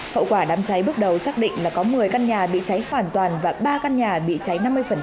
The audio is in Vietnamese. hậu quả đám cháy bước đầu xác định là có một mươi căn nhà bị cháy hoàn toàn và ba căn nhà bị cháy năm mươi